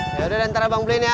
ya udah nanti abang beliin ya